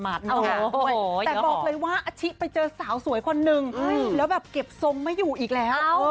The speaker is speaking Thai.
แต่บอกเลยว่าอาชิไปเจอสาวสวยคนนึงแล้วแบบเก็บทรงไม่อยู่อีกแล้ว